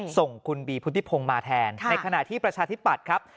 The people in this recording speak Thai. ส่งคุณบีพุทธิพงศ์มาแทนในขณะที่ประชาธิปัตย์ครับ